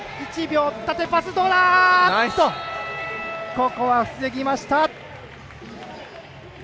ここは防ぎました！